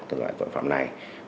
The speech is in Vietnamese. từ loại tội phạm này